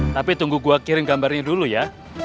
tapi tunggu gue kirim gambarnya dulu ya